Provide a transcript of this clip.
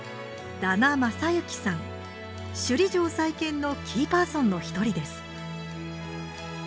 首里城再建のキーパーソンの一人です。